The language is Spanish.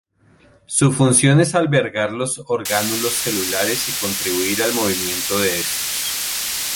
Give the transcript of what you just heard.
Su función es albergar los orgánulos celulares y contribuir al movimiento de estos.